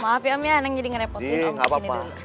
maaf ya om ya neng jadi ngerepotin om begini dulu